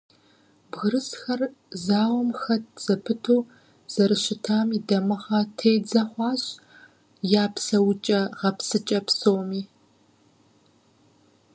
Бгырысхэр зауэм хэт зэпыту зэрыщытам и дамыгъэ тедза хъуащ я псэукӀэ-гъэпсыкӀэ псоми.